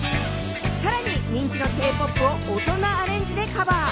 さらに人気のＫ‐ＰＯＰを大人アレンジでカバー。